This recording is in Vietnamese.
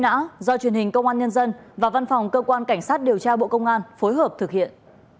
nã do truyền hình công an nhân dân và văn phòng cơ quan cảnh sát điều tra bộ công an phối hợp thực hiện